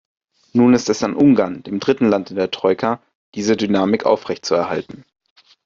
Nun ist es an Ungarn, dem dritten Land in der Troika, diese Dynamik aufrechtzuerhalten.